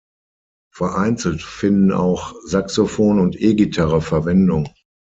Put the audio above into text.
Vereinzelt finden auch Saxophon und E-Gitarre Verwendung.